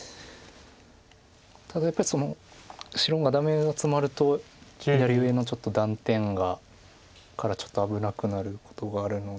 ただやっぱり白がダメがツマると左上の断点からちょっと危なくなることがあるので。